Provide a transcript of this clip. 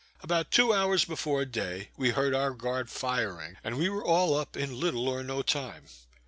About two hours before day, we heard our guard firing, and we were all up in little or no time.